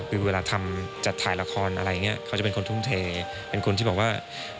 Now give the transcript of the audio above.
คือเวลาทำจัดถ่ายละครอะไรอย่างนี้เขาจะเป็นคนทุ่มเทเป็นคนที่แบบว่า